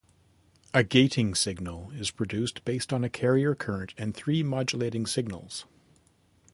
A gating signal is produced based on a carrier current and three modulating signals.